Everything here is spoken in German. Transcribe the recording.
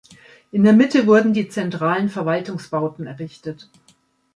In der Mitte wurden die zentralen Verwaltungsbauten errichtet.